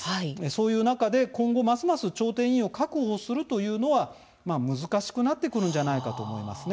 そういう中で、今後ますます調停委員を確保するというのは難しくなってくるんじゃないかと思います。